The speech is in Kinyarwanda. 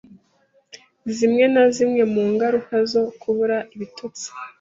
zimwe na zimwe mu ngaruka zo kubura ibitotsi,